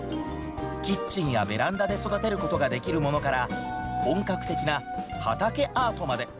キッチンやベランダで育てることができるものから本格的な畑アートまで。